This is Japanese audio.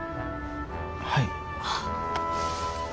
はい。